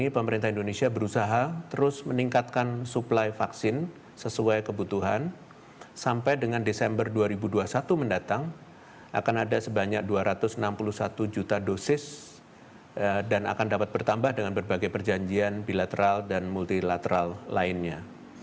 pemerintah indonesia berusaha terus meningkatkan suplai vaksin sesuai kebutuhan sampai dengan desember dua ribu dua puluh satu mendatang akan ada sebanyak dua ratus enam puluh satu juta dosis dan akan dapat bertambah dengan berbagai perjanjian bilateral dan multilateral lainnya